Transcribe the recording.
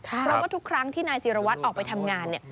เพราะว่าทุกครั้งที่นายจิรวัตรออกไปทำงานเนี่ย